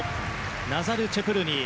ナザル・チェプルニー。